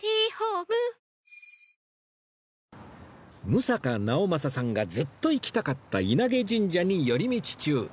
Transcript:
六平直政さんがずっと行きたかった稲毛神社に寄り道中